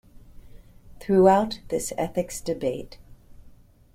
Throughout this ethics debate.